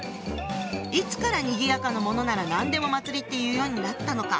いつからにぎやかなものなら何でも祭りって言うようになったのか？